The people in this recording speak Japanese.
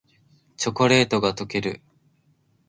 チョコレートがとける